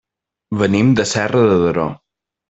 Venim de Serra de Daró.